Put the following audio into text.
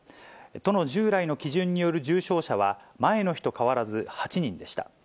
都の従来の基準による重症者は、前の日と変わらず８人でした。